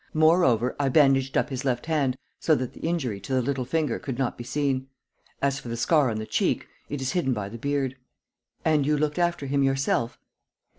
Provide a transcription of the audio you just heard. Moreover, I bandaged up his left hand so that the injury to the little finger could not be seen. As for the scar on the cheek, it is hidden by the beard." "And you looked after him yourself?"